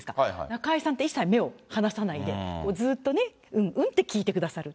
中居さんって一切目を離さないで、ずーっとね、うん、うんって聞いてくださる。